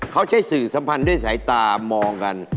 เขาใช้สื่อสัมพันธ์ด้วยสายตามองกัน